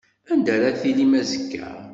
Anda ara tilim azekka?